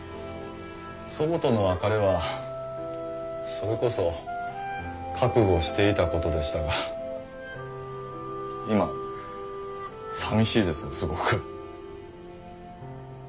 祖母との別れはそれこそ覚悟していたことでしたが今寂しいですすごく。